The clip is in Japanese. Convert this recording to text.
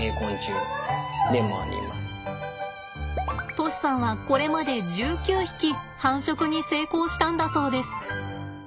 杜師さんはこれまで１９匹繁殖に成功したんだそうです。